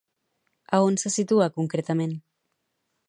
A on se situa concretament?